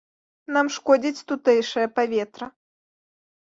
Нам шкодзіць тутэйшае паветра.